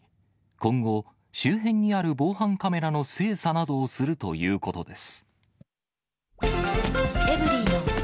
今後、周辺にある防犯カメラの精査などをするということです。